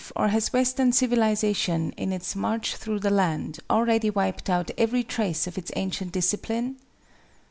Or has Western civilization, in its march through the land, already wiped out every trace of its ancient discipline?